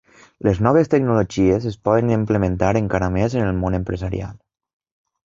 Les noves tecnologies es poden implementar encara més en el món empresarial.